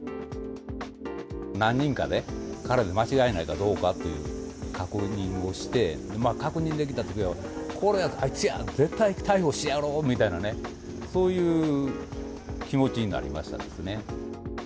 何人かで、彼で間違いないかどうかって確認をして、確認できたときは、これや、あいつや、絶対逮捕してやろうみたいなね、そういう気持ちになりましたですね。